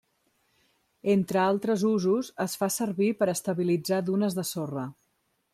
Entre altres usos, es fa servir per a estabilitzar dunes de sorra.